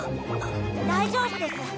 大丈夫です。